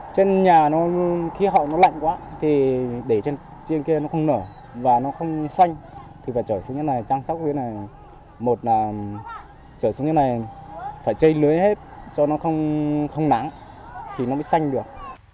trên nhà nó khí hậu nó lạnh quá thì để trên kia nó không nở và nó không xanh thì phải chở xuống như thế này trang sóc như thế này một là chở xuống như thế này phải chây lưới hết cho nó không náng thì nó mới xanh được